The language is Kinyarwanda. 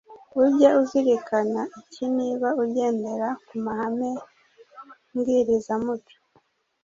Ujye uzirikana iki niba ugendera ku mahame mbwirizamuco